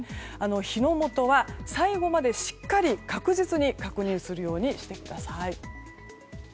火の元は最後までしっかり確実に確認するようにしてください。